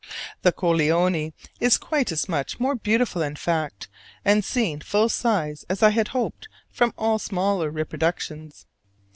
The Colleoni is quite as much more beautiful in fact and seen full size as I had hoped from all smaller reproductions.